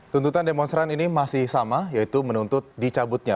tuntutan demonstran ini masih sama yaitu menuntut dicabutnya